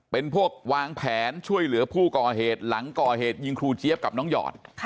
เป็นพวกวางแผนช่วยเหลือผู้ก่อเหตุหลังก่อเหตุยิงครูเจี๊ยบกับน้องหยอด